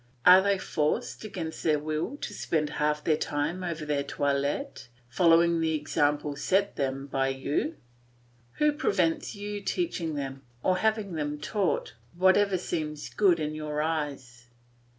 Are they forced, against their will, to spend half their time over their toilet, following the example set them by you? Who prevents you teaching them, or having them taught, whatever seems good in your eyes?